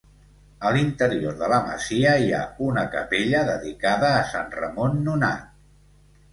A l'interior de la masia hi ha una capella dedicada a Sant Ramon Nonat.